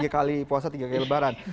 tiga kali puasa tiga kali lebaran